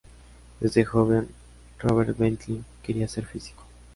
Desde joven, Robert Bentley quería ser físico.